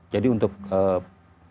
jadi untuk pengolahan